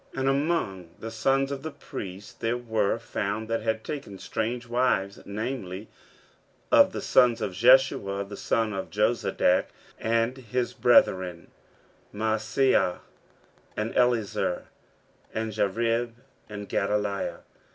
15:010:018 And among the sons of the priests there were found that had taken strange wives: namely, of the sons of Jeshua the son of Jozadak, and his brethren; Maaseiah, and Eliezer, and Jarib, and Gedaliah.